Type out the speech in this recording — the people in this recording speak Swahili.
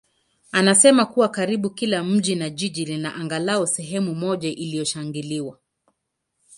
anasema kuwa karibu kila mji na jiji lina angalau sehemu moja iliyoshangiliwa.